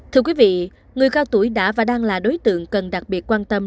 thưa quý vị người cao tuổi đã và đang là đối tượng cần đặc biệt quan tâm